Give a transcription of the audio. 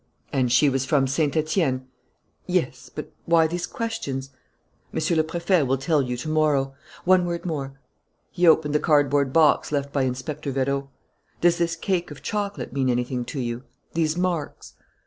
"And she was from Saint Etienne?" "Yes. But why these questions?" "Monsieur le Préfet will tell you to morrow. One word more." He opened the cardboard box left by Inspector Vérot. "Does this cake of chocolate mean anything to you? These marks?"